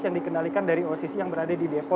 yang dikendalikan dari occ yang berada di depo